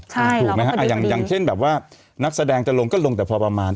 ถูกไหมฮะอย่างเช่นแบบว่านักแสดงจะลงก็ลงแต่พอประมาณ